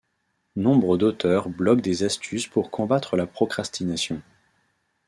Nombre d’auteurs bloguent des astuces pour combattre la procrastination.